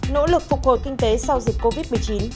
nỗ lực phục hồi kinh tế sau dịch covid một mươi chín